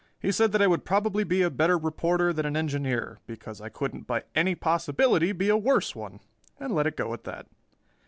He said that I would probably be a better reporter than an engineer because I couldn't by any possibility be a worse one, and let it go at that.